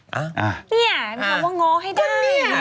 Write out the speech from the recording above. นี่มันคำว่าง้อให้ได้